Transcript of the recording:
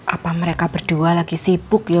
apa mereka berdua lagi sibuk ya